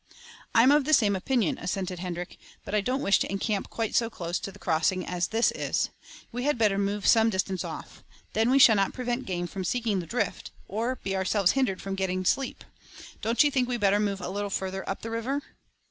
"I'm of the same opinion," assented Hendrik; "but I don't wish to encamp quite so close to the crossing as this is. We had better move some distance off. Then we shall not prevent game from seeking the drift, or be ourselves hindered from getting sleep. Don't you think we'd better move little farther up the river?"